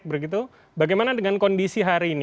begitu bagaimana dengan kondisi hari ini